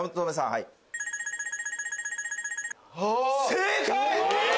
正解！